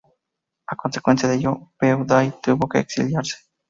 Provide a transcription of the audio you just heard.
A consecuencia de ello, Bei Dao tuvo que exiliarse.